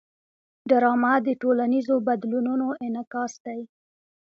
ډرامه د ټولنیزو بدلونونو انعکاس دی